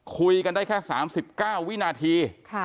คุยกันได้แค่๓๙วินาที